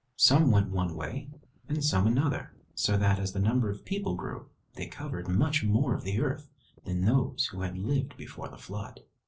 Some went one way, and some another, so that as the number of people grew, they covered much more of the earth than those who had lived before the flood.